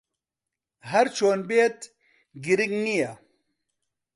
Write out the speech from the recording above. ھەر چۆن بێت، گرنگ نییە.